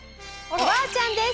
「おばあちゃんです」？